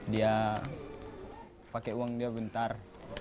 dia pakai uang dia bentar